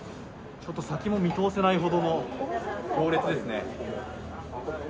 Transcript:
ちょっと先も見通せないほどの行列ですね。